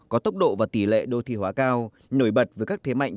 có tốc độ và tỷ lệ đô thị hóa cao nổi bật với các thế mạnh